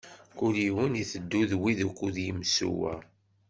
Kul yiwen iteddu d win ukud i d-imsuwa.